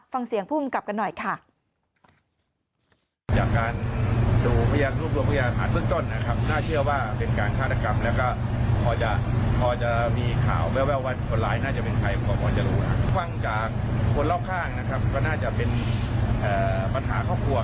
ฟังเสียงผู้กำกับกันหน่อยค่ะ